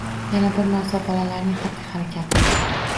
Yana bir narsa: bolalarning xatti -harakati